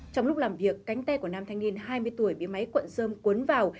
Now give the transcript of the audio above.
trong lúc làm việc cánh tay của nam thanh niên hai mươi tuổi bị máy cuộn dơm cuốn vào